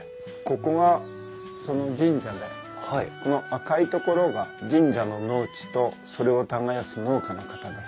ここがその神社でこの赤いところが神社の農地とそれを耕す農家の方です。